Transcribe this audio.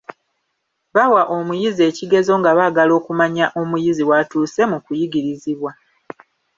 Bawa omuyizi ekigezo nga baagala okumanya omuyizi w'atuuse mu kuyigirizibwa.